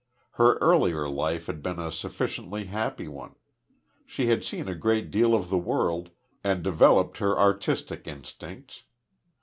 Her earlier life had been a sufficiently happy one. She had seen a great deal of the world and developed her artistic instincts.